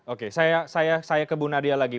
oke saya ke bu nadia lagi